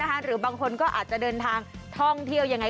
หรือบางคนก็อาจจะเดินทางท่องเที่ยวยังไง